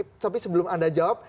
tapi sebelum anda jawab